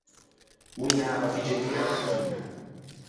O ninnava a figgettiña inta chiña.